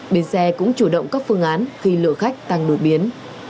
bến xe cũng chủ động các phương án khi lượng khách tăng đột biến